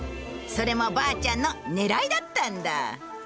それもばあちゃんのねらいだったんだ。